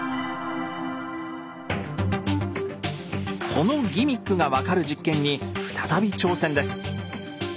このギミックが分かる実験に再び挑戦です。